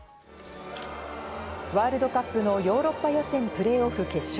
ワールドカップのヨーロッパ予選プレーオフ決勝。